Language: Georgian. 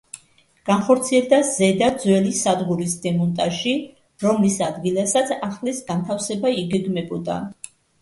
განხორციელდა ზედა ძველი სადგურის დემონტაჟი, რომლის ადგილასაც ახლის განთავსება იგეგმებოდა.